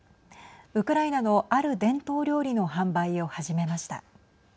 ウクライナのある伝統料理の販売を始めました。